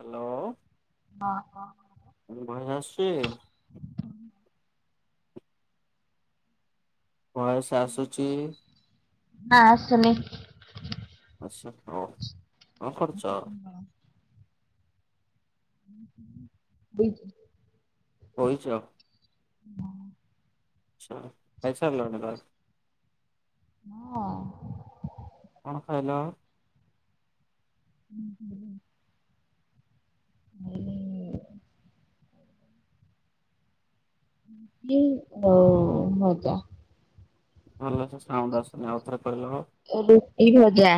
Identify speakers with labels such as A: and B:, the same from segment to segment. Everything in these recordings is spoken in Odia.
A: ହ୍ୟାଲୋ।
B: ହଁ ହଁ
A: ମ ଭୟ ଆସଛି। ଭଏସ ଆସୁଛି।
B: ଆଶୁନି।
A: ଆଚଛା ହଉ କଣ ଖର୍ଚ?
B: ବଇ
A: ବଇଚ।
B: ହ
A: ଆଛା ଖାଇସରିଲଣି। [unintelligible]
B: ହଁ
A: କଣ ଖାଇଲ?
B: ହୁଁ ହୁଁଁ। [unintelligible] ଲି ଆଉ ଭଜା।
A: ଭଲସେ ସାଉଣ୍ଡ ଆସୁନି ଆଉ ଥରେ କହିଲ।
B: ରୁଟି ଭଜା।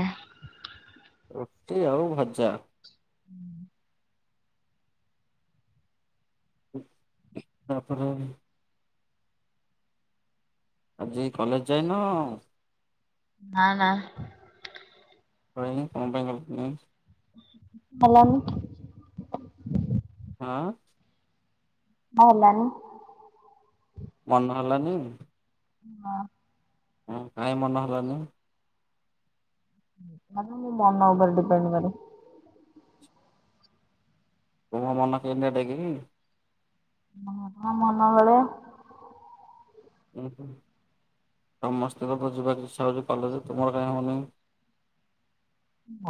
A: ରୁଟି ଆଉ ଭଜା।
B: [inaudible]
A: ତାପରେ? ଆଜି କଲେଜ ଯାଇନ?
B: ନା ନା।
A: [unintelligible] କଣ ପାଇଁ ଗଲାଣି?
B: ଭଲ ଲାଗୁନି।
A: ହଁ।
B: ହଁ ହେଲାନି।
A: ମନ ହେଲାନି?
B: ନା।
A: ହଁ କାଇଁ ମନ ହେଲାନି?
B: ମାନେ ମୋ ମନ ଉପରେ ଡିପେଣ୍ଡ କରେ।
A: ତୁମ ମନ କିଏ ନେବେକି?
B: ନା ମୋ ମନ ବେଳେ।
A: ଉୁଁ ହୁଁ ସମସ୍ତଙ୍କ ତ ଯିବାକୁ ଇଚ୍ଛା ହଉଛି କଲେଜ ତୁମର କାହିଁ ହଉନି?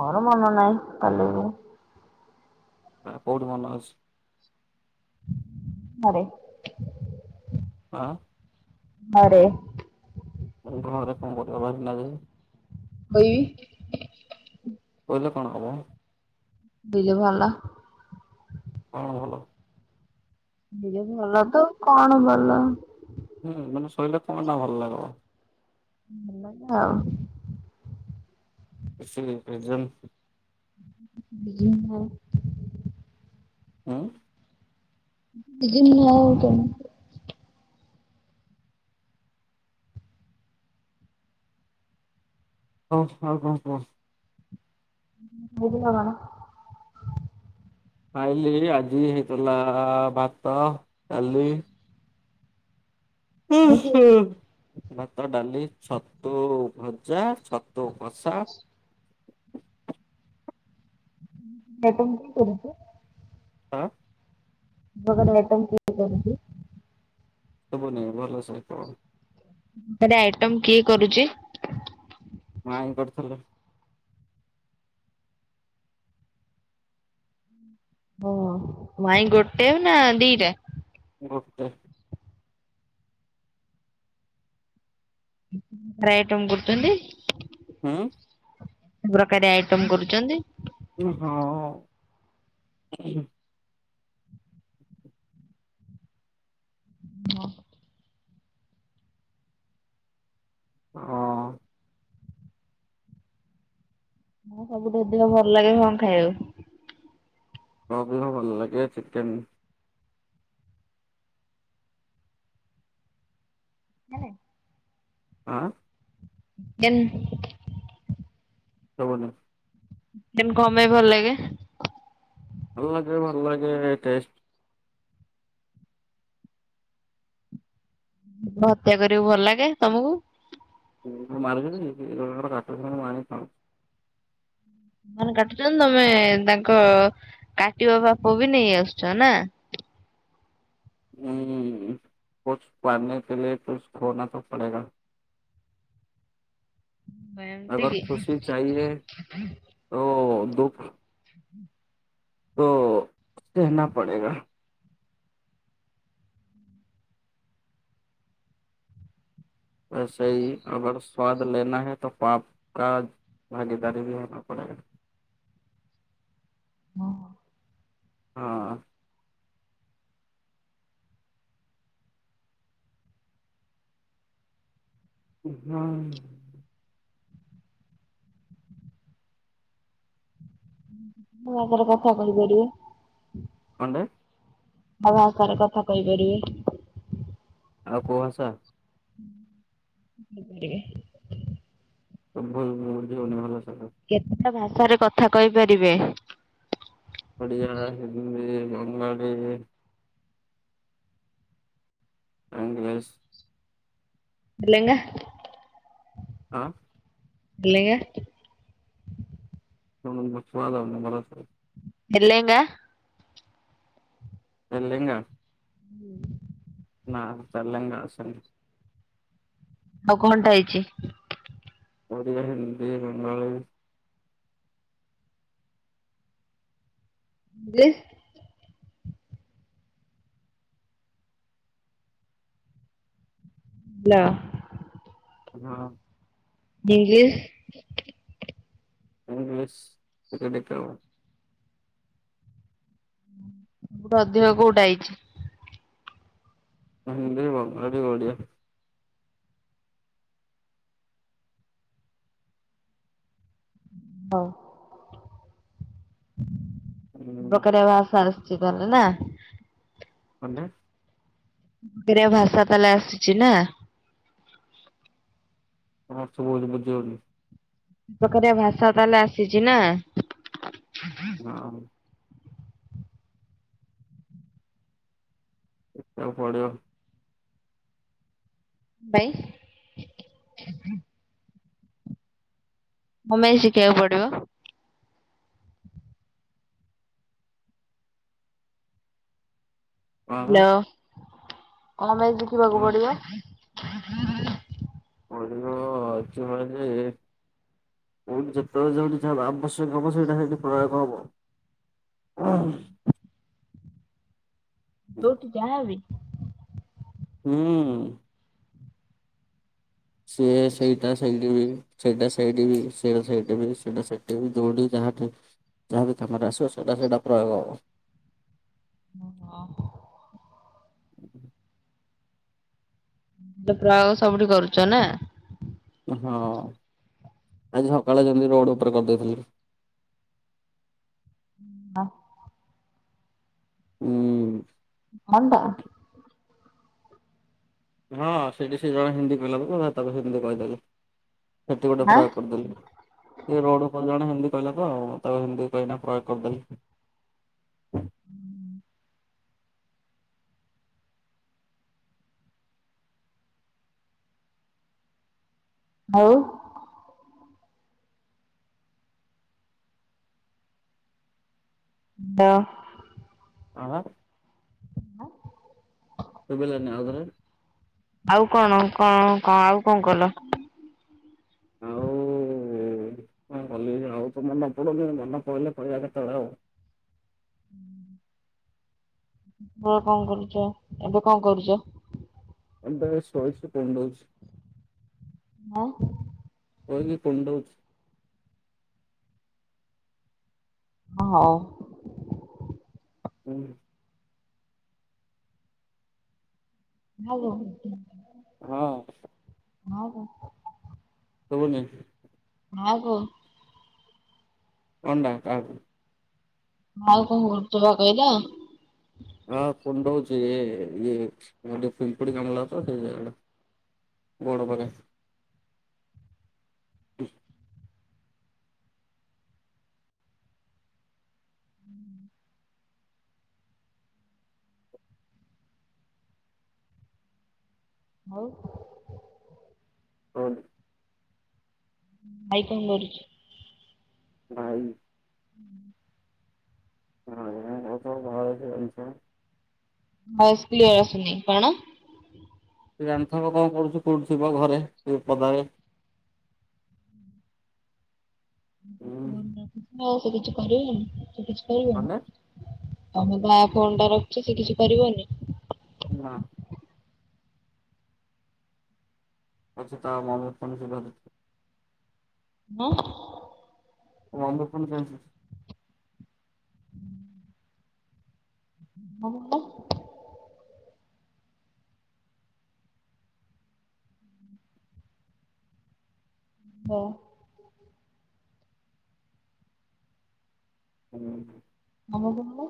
B: ମୋର ମନ ନାହିଁ କଲେଜ ରେ।
A: ଆ କୋଉଠି ମନ ଅଛି?
B: ଘରେ।
A: ଆଁ।
B: ଘରେ।
A: ଘରେ କଣ କରିବା [unintelligible] ଯେ।
B: ହୈ।
A: କହିଲେ କଣ ହବ?
B: ଦିଲେ ଭଲ।
A: କଣ ଭଲ?
B: ଦିଲେ ଭଲ ତ କଣ ଭଲ।
A: ହୁଁ ମାନେ ଶୋଇିଲେ କଣ ଟା ଭଲ ଲାଗିବ।
B: ଭଲ ନା ଆଉ।
A: [unintelligible] ପ୍ରେସେନ୍।
B: [unintelligible]
A: ହଁ।
B: ବିଜିନି ଆଉ କେଣ?
A: ହଉ ଆଉ କଣ କୁହ?
B: ବୁଝିଲ କଣ?
A: ଖାଇଲି ଆଜି ହେଇଥିଲା ଭାତ, ଡାଲି। ଉୁଁ ହୁଁ। ଭାତ ଡାଲି ଛତୁ ଭଜା ଛତୁ କଷା।
B: ଏବଂ କରୁଛୁ।
A: ଆଁ।
B: ଭଲ ରେ ଆଇଟମ୍ ତିଆରିକରୁଚି।
A: ଶୁବୁନି ଭଲ ସହିତ।
B: ହେଟି ଆଇଟମ କିଏ କରୁଛି?
A: ମାଇଁ କରୁଥିଲେ।
B: ହଁ ମାଇଁ ଗୋଟେ ନା ଦିଟା?
A: ଗୋଟେ।
B: ଘରେ ଆଇଟମ୍ କରୁଚନ୍ତି।
A: ଉୁଁ।
B: ସବୁ ପ୍ରକାରେ ଆଇଟମ କରୁଛନ୍ତି?
A: ହଁ। ହ।
B: ହଁ।
A: ହଁ।
B: ତମକୁ ସବୁଠୁ ଅଧିକ ଭଲ ଲାଗେ କଣ ଖାଇବାକୁ?
A: ଅଧିକ ଭଲ ଲାଗେ ଚିକେନ୍‌।
B: କେନେ।
A: ଆଁ।
B: କେନ୍!
A: [unintelligible]
B: ଦେନ କମେଇ ଭଲ ଲାଗେ?
A: ଭଲ ଲାଗେ ଭଲ ଲାଗେ ଟେଷ୍ଟ।
B: ଯିବ ହତ୍ୟା କରିବାକୁ ଭଲ ଲାଗେ ତମକୁ?
A: ମୁଁ ମାରୁଚିକି କି ଜଣଙ୍କର କାଟୁଥିଲା ମୁଁ ଆଣିକି ଖାଉଛି।
B: ସେମାନେ କାଟୁଛନ୍ତି ତମେ ତାଙ୍କ କାଟିବା ପାପ ବି ନେଇ ଆସୁଛ ନାଁ?
A: ଉଁ କୁଛ ପାନେକେ ଲିଏ କୁଛ ଖୋନା ତୋ ପଡ଼େଗା।
B: ମୁଁ ଏମତିକି?
A: ଓ ଦୁଃଖୁ।
B: [inaudible]
A: ଓ କେହେନା ପଡ଼େଗା। ତୋ ସେଇ ଆବର ସ୍ଵାଦ ଲେନାହେତୋ ପାପ କାଦ। ଭାଗିଦାରି ବି ରେହେନା ପଡେଗା।
B: ହଁ।
A: ହଁ। [unintelligible]
B: ମୋ ଆଗରେ ରେ କଥା କହିପାରିବେ।
A: କଣ୍ଡେ
B: ଆଉ ଭାଷାରେ କଥା କହିପାରିବେ?
A: ଆଉ କୋଉ ଭାସା?
B: [unintelligible]
A: [unintelligible]
B: କେତେଟା ଭାଷାରେ କଥା କହିପାରିବେ?
A: ଓଡ଼ିଆ ହିନ୍ଦୀ ବଙ୍ଗାଳୀ। [unintelligible]
B: ତେଲେଙ୍ଗା
A: ହଁ।
B: ତେଲେଙ୍ଗା।
A: [unintelligible]
B: ତେଲେଙ୍ଗା।
A: ଏଲେଙ୍ଗା।
B: ହୁଁ।
A: ନା ଚାଲେଙ୍ଗା ଆସେନି।
B: ଆଉ କଣ ଟା ହେଇଛି?
A: ଓଡ଼ିଆ ହିନ୍ଦୀ ବଙ୍ଗାଳୀ।
B: ଇଂଗ୍ଲିସ। ! ! ! ! ! ! ! ! ! !
A: [unintelligible]
B: ଇଂଗ୍ଲୀସ।
A: ଇଂଗ୍ଲିସ [unintelligible]
B: ସବୁଠୁ ଅଧିକ କଉଟା ଆଇଚି?
A: [unintelligible] ଭାରି ବଢିଆ
B: ହଉ।
A: ହୁଁ
B: ପକାରିବା ସାରେସୁଚି କଲେ ନାଁ?
A: କନ ଟେ?
B: ଦିରେ ଭାଷା ତାହେଲେ ଆସିଛି ନା?
A: [unintelligible] ଜୋର ଲି।
B: ବେକାରିଆ ଭାଷା ତାହେଲେ ଆସିଛି ନାଁ?
A: ନାଁ ମ। ଯାଅ ପଢିବ।
B: ଭାଇ। କଣ ପାଇଁ ଶିଖେଇବାକୁ ପଡିବ?
A: କଣ
B: ନୋ କଣ ପାଇଁ ଦେଖିବାକୁ
A: ହଁ
B: ପଡିବ?
A: ଭଲ ଅଛି ମାନେ ଯେତବେଳେ ଯେଉଠି ଯାହା ଆବଶ୍ୟକ ହବ ସେଇଟା ସେଠି ପ୍ରୟୋଗ ହବ। [inaudible]
B: ବୋଉ ତୁ ଯିବେ।
A: ହୁଁ। ସିଏ ସେଇଟା ସେଇଠି ବି। ସେଇଟା ସେଇଠି ବି, ସେଇଟା ସେଇଠି ବି, ସେଇଟା ସେଠିବି ବି, ଯୋଉଠି ଯାହା ପଡିଛି ଯାହାବି ତୁମର ଆସିବ ସଦା ସଦା ପ୍ରୟୋଗ ହବ।
B: ଓହୋ।
A: ହୁଁ
B: ପ୍ରୟୋଗ ସବୁଠି କରୁଛ ନାଁ।
A: ହଁ ଆଜି ସକାଳେ ଯେମିତି ରୋଡ ଉପରେ କରିଦେଇଥିଲି।
B: [inaudible]
A: ହୁଁ।
B: କନ୍ ବା।
A: ହଁ ସେଠି ସେ ଜଣେ ହିନ୍ଦୀ କହିଲା ପରେ ତା ପରେ ହିନ୍ଦୀ କହିଦେଲେ। ସେଠୀ ଗୋଟେ
B: ଆଁ
A: ପ୍ରୟୋଗ କରିଦେଲି। ସେ ରୋଡ ଉପରେ ଜଣେ ହିନ୍ଦୀ କହିଲା ତ ଆଉ ତାକୁ ହିନ୍ଦୀ କହିଗିନା ପ୍ରୟୋଗ କରିଦେଲି।
B: ଆଉ। ନୋ।
A: କଣ ହେଲା?
B: କଣ?
A: ଶୁଭି ଲାନି ଆଉ ଥରେ।
B: ଆଉ କଣ କଣ କଣ କଣ କଲ?
A: ଆଉ କଣ କଲି ଆଉ ତ ମନେ ପଡ଼ୁନି ମନେ ପଢିଲେ କହିବା କେତେବେଳେ ଆଉ।
B: ବ କଣ କରୁଛ ଏବେ କଣ କରୁଛ?
A: ଏମଟ ଶହଶ କଣ୍ଡଛି [inaudible]
B: ହଁ।
A: କହିଲି କୁଣ୍ଡଉଛି।
B: ହଁ ହଉ।
A: ହୁଁ।
B: ହାଲୋ।
A: ହଁ।
B: ହଁ ହଉ।
A: ଶୁବୁନି।
B: ଆଉ କହ
A: କଣଡା ହେଲା ହେଟୁ
B: ଆଉ କଣ କରୁଚ ବା କହିଲ।
A: ହଁ କୁଣ୍ଡଉଛି ଇଏ ପିମ୍ପୁଡି କାମୁଡିଲା ତ ସେ ଗୁଡ଼ ପାଖେ।
B: ହଉ।
A: ହଉ।
B: ଭାଇ କଣ ଧରିଛି?
A: ଭାଇ।
B: ହୁଁ
A: [inaudible]
B: ଭଏସ୍ କ୍ଲିୟର ଆସୁନି କଣ?
A: ସେ ଜାଣିଥିବ କଣ କରୁଛି କୋଉଠି ଥିବ ଘରେ ସେ ପଦାରେ। ଉଁ,
B: ଆଉ ସେ କିଛି କରିବେନି ସେ କିଛି
A: ଗଲେ
B: କରିବେନି। ତମେ ବା ଫୋନ୍ ଟା ରଖିଛ ସେ କିଛି କରିବନି।
A: ନା। ଆଛି ତା ମନ [unintelligible]
B: ହଁ।
A: [unintelligible]
B: [unintelligible] ହଁ।
A: ହୁଁ।
B: ଆମ [unintelligible]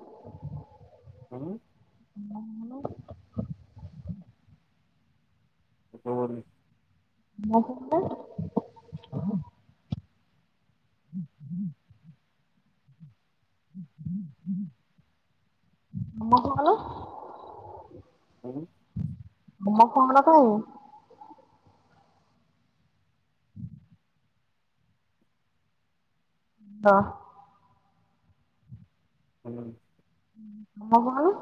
A: ହଁ।
B: [unintelligible]
A: [unintelligible]
B: [unintelligible] [unintelligible] ଆମକୁ ଭଲ।
A: ହଁ।
B: [unintelligible] କାଇଁ? ହ ହଁ।
A: ହୁଁ।
B: [unintelligible] କଣ?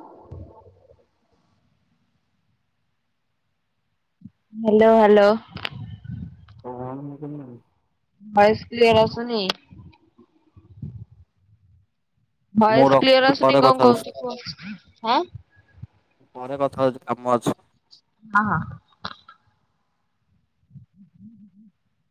B: Hello hello.
A: [unintelligible]
B: ଭଏସ କ୍ଲିୟର ଆସୁନି।
A: ମୁଁ
B: ଭଏସ କ୍ଲିୟର
A: ରଖୁଛି
B: ଆସୁନି
A: ପରେ କଥା
B: କଣ
A: ହଉଛି
B: କହୁଛୁଁ କୁହ ଆଁ
A: ପରେ କଥା ହଉଛି କାମ ଅଛି।
B: ହଁ। [unintelligible]